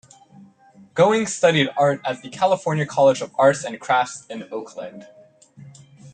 Goings studied art at the California College of Arts and Crafts in Oakland.